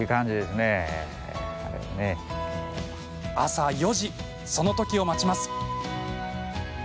朝４時、そのときを待ちます。